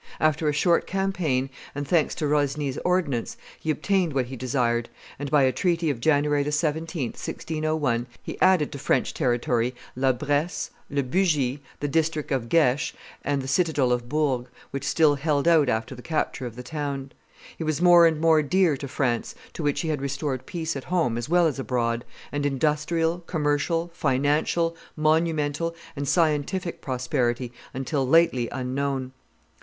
After a short campaign, and thanks to Rosny's ordnance, he obtained what he desired, and by a treaty of January 17, 1601, he added to French territory La Bresse, Le Bugey, the district of Gex, and the citadel of Bourg, which still held out after the capture of the town. He was more and more dear to France, to which he had restored peace at home as well as abroad, and industrial, commercial, financial, monumental, and scientific prosperity, until lately unknown.